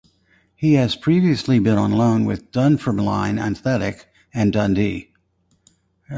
He has previously been on loan with Dunfermline Athletic and Dundee.